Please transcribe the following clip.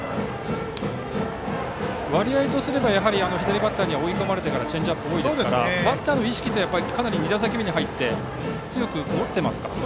割合とすれば左バッターには追い込まれてからチェンジアップが多いのでバッターの意識としては２打席目に入って強く持っていますか。